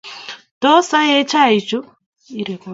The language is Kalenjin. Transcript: Tos aee chaichu?